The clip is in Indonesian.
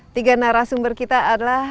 tiga narasumber kita adalah